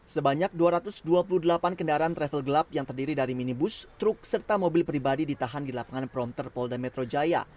sebanyak dua ratus dua puluh delapan kendaraan travel gelap yang terdiri dari minibus truk serta mobil pribadi ditahan di lapangan prompter polda metro jaya